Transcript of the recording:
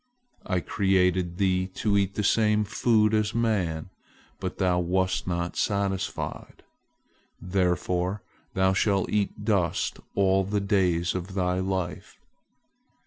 I created thee to eat the same food as man; but thou wast not satisfied. Therefore thou shalt eat dust all the days of thy life.